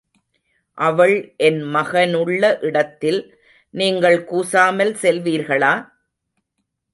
அவள் என் மகனுள்ள இடத்தில் நீங்கள் கூசாமல் செல்வீர்களா?